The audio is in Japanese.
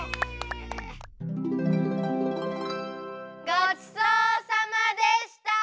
ごちそうさまでした！